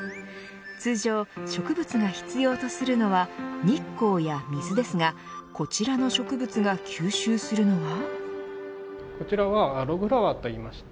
通常、植物が必要とするのは日光や水ですがこちらの植物が吸収するのは。